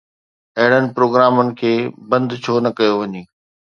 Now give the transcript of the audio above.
اهڙن پروگرامن کي بند ڇو نه ڪيو وڃي؟